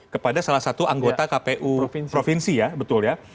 kepada salah satu anggota kpu provinsi ya betul ya